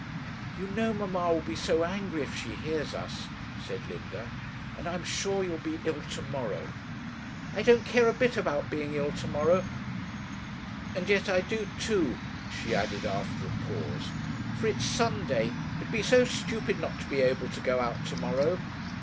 'You know mamma will be so angry if she hears us,' said Linda, 'and I am sure you will be ill to morrow.' 'I don't care a bit about being ill to tomorrow; and yet I do too,' she added, after a pause, 'for it's Sunday. It would be so stupid not to be able to go out to morrow.'